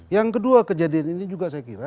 yang kedua kejadian ini juga saya kira